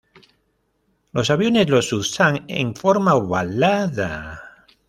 Los aviones los usan en forma ovalada.